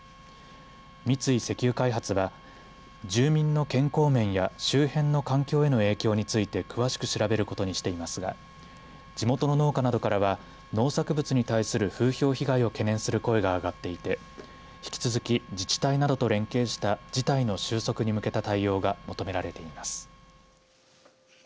三井石油開発は住民の健康面や周辺の環境への影響について詳しく調べることにしていますが地元の農家などからは農作物に対する風評被害を懸念する声が上がっていて引き続き自治体などと連携した事態の収束に向けた対応が求められています。